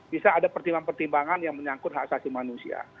bisa ada pertimbangan pertimbangan yang menyangkut hak asasi manusia